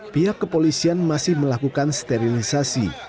pihak kepolisian masih melakukan sterilisasi